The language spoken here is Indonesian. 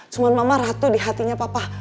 cuma mama ratu di hatinya papa